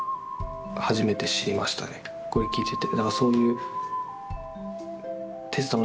これ聞いてて。